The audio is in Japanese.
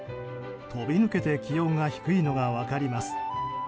飛び抜けて気温が低いのが分かります。